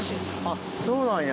あっそうなんや。